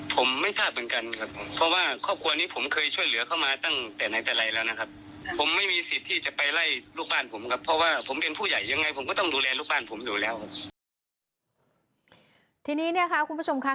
ทีนี้คุณผู้ชมคะ